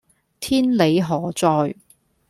天理何在